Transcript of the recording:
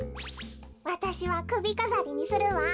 わたしはくびかざりにするわ。